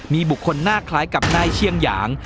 มีบุคคลหน้าคล้ายกับนายเชียงหยาง